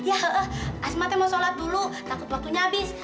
asma tuh mau sholat dulu takut waktunya habis